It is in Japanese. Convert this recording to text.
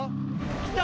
来た。